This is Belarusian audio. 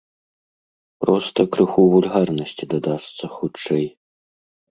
Проста крыху вульгарнасці дадасца, хутчэй.